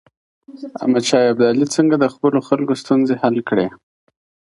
احمد شاه ابدالي څنګه د خپلو خلګو ستونزې حل کړې؟